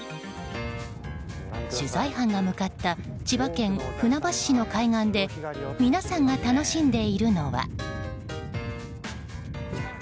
取材班が向かった千葉県船橋市の海岸で皆さんが楽しんでいるのは。